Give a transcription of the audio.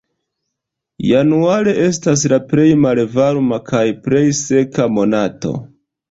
Januare estas la plej malvarma kaj plej seka monato.